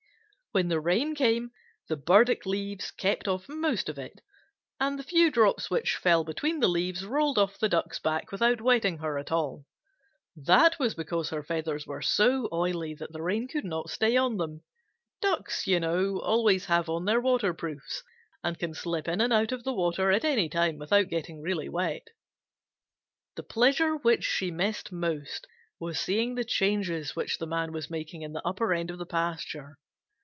When the rain came, the burdock leaves kept off most of it, and the few drops which fell between the leaves rolled off the Duck's back without wetting her at all. That was because her feathers were so oily that the rain could not stay on them. Ducks, you know, always have on their water proofs, and can slip in and out of the water at any time without getting really wet. The pleasure which she missed most was seeing the changes which the Man was making in the upper end of the pasture.